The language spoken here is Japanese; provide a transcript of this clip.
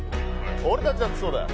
俺たちだってそうだよ。